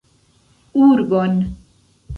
Urbon.